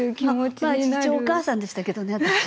まあ一応お母さんでしたけどね私。